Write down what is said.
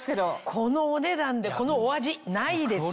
このお値段でこのお味ないですよ。